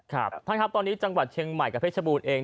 ครับท่านครับตอนนี้จังหวัดเชียงใหม่กับเพชรบูรณ์เอง